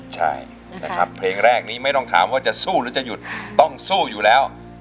ใช่นะครับเพลงแรกนี้ไม่ต้องถามว่าจะสู้หรือจะหยุดต้องสู้อยู่แล้ว